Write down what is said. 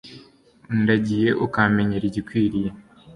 undagiye, ukamenyera igikwiye